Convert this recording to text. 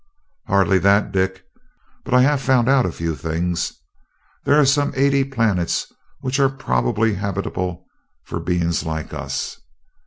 "Hardly that, Dick, but I have found out a few things. There are some eighty planets which are probably habitable for beings like us.